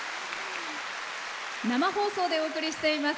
生放送でお送りしています